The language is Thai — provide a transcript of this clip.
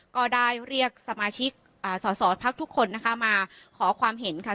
ก็ได้เรียกสมาชิกสอสอพักทุกคนนะคะมาขอความเห็นค่ะ